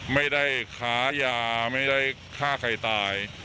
ไม่ได้ค้ายาไม่ได้ฆ่าใครตาย